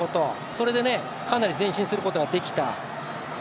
それでかなり前進することができた。